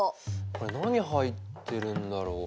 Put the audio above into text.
これ何入ってるんだろう？